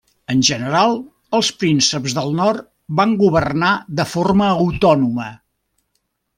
En general, els prínceps del nord van governar de forma autònoma.